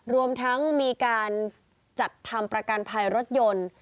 รวมทั้งมีการจัดทำประกันภัยรถยนต์